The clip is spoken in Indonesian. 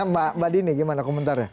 mbak dini gimana komentarnya